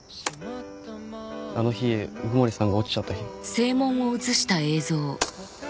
あの日鵜久森さんが落ちちゃった日の。